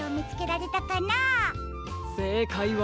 せいかいは。